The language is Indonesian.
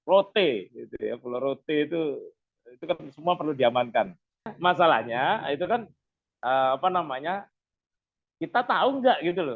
hai itu semua perlu diamankan masalahnya itu kan apa namanya kita tahu nggak gitu loh